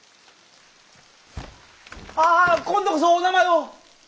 ああっ今度こそお名前を！